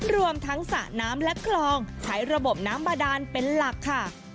รวมทั้งสระน้ำและคลองใช้ระบบน้ำบาดานเป็นหลักค่ะ